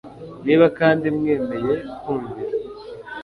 niba kandi mwemeye kumvira